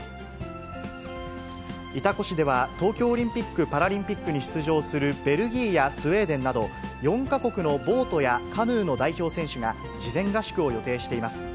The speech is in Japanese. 潮来市では、東京オリンピック・パラリンピックに出場するベルギーやスウェーデンなど、４か国のボートやカヌーの代表選手が事前合宿を予定しています。